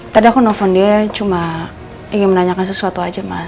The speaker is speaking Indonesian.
tadi aku nelfon dia cuma ingin menanyakan sesuatu aja mas